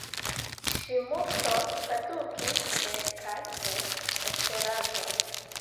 Ŝi multon tradukis el kaj en Esperanto.